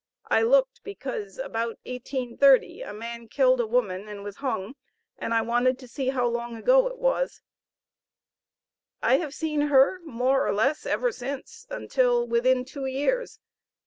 I looked because about 1830, a man killed a woman, and was hung, and I wanted to see how long ago it was. I have seen her more or less ever since, until within two years.